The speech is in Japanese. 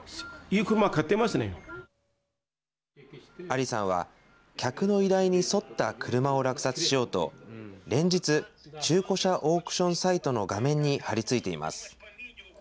アリさんは、客の依頼に沿った車を落札しようと連日、中古車オークションサイトの画面に張り付いています。